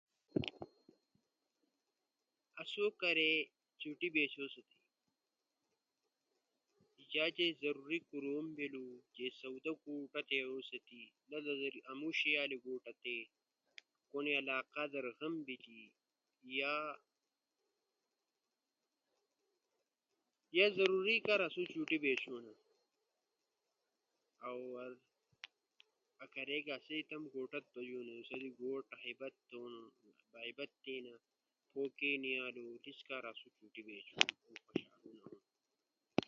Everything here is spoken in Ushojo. آسو کارے چُٹی بیچھوسو۔ یا تی ضروری کوروم بیلو جے سودا تی پھاتے اؤو سی تی سی لالو در آموشے آلی گوٹا تی۔ کھونے علاقہ در غم بیسی۔ یا ضروری کارا آسو چُٹی بیچھوسونو۔ اؤ کارے آسو تمو گوٹا تی بجونا، غیبت تھینو